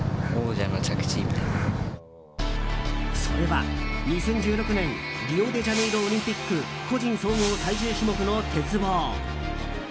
それは２０１６年リオデジャネイロオリンピック個人総合、最終種目の鉄棒。